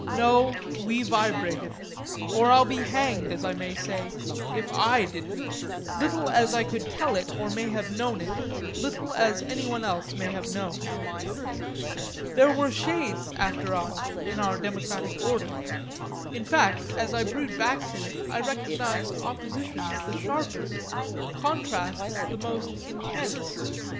No, we vibrated or I'll be hanged, as I may say, if I didn't; little as I could tell it or may have known it, little as anyone else may have known. There were shades, after all, in our democratic order; in fact as I brood back to it I recognise oppositions the sharpest, contrasts the most intense.